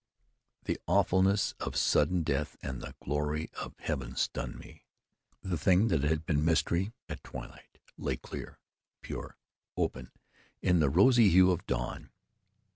The awfulness of sudden death and the glory of heaven stunned me! The thing that had been mystery at twilight, lay clear, pure, open in the rosy hue of dawn.